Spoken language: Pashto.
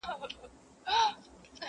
• غمی ورک سو د سړي پر سترګو شپه سوه..